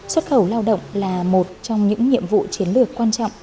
xuất khẩu lao động là một trong những nhiệm vụ chiến lược quan trọng